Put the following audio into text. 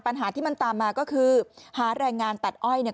ปัญหาที่มันตามมาก็คือหาแรงงานตัดอ้อยเนี่ย